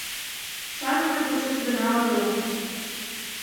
Шарныме почеш гына ойлем.